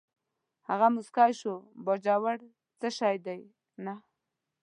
هغه موسکی شو: باجوړ څه شی دی، نه.